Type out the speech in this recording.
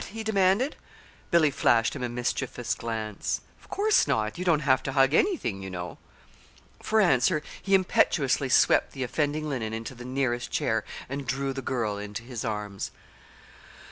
he demanded. Billy flashed him a mischievous glance. "Of course not! You don't have to hug anything, you know." For answer he impetuously swept the offending linen into the nearest chair and drew the girl into his arms.